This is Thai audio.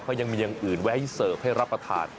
เขายังมีอย่างอื่นไว้ให้เสิร์ฟให้รับประทาน